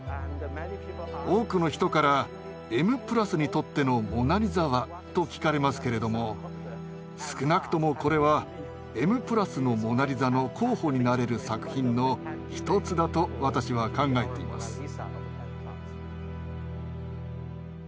多くの人から「『Ｍ＋』にとっての『モナリザ』は？」と聞かれますけれども少なくともこれは「Ｍ＋」の「モナリザ」の候補になれる作品の一つだと私は考えています。